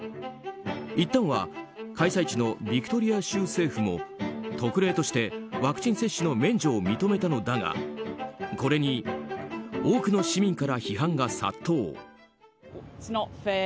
いったんは開催地のビクトリア州政府も特例としてワクチン接種の免除を認めたがこれに多くの市民から批判が殺到。